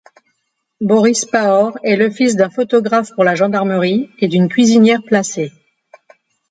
Boris Pahor est le fils d'un photographe pour la gendarmerie et d'une cuisinière placée.